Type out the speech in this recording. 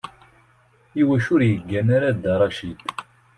Iwacu ur yeggan ara Dda Racid?